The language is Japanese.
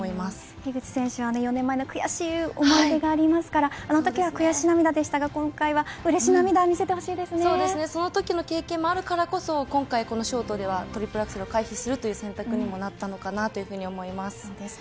樋口選手は４年前の悔しい思い出がありますからあのときは悔し涙でしたが今回はうれし涙をそのときの経験もあるからこそ今回のショートではトリプルアクセルを回避するという選択にもなったのかなと思います。